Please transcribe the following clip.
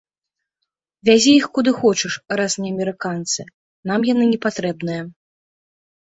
Вязі іх куды хочаш, раз не амерыканцы, нам яны не патрэбныя.